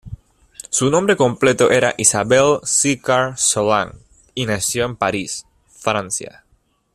Su nombre completo era Isabelle Sicard Solange, y nació en París, Francia.